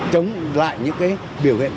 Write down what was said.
chống lại những biểu hiện